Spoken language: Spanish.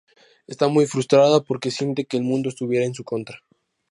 Está muy frustrada porque siente que el mundo estuviera en su contra.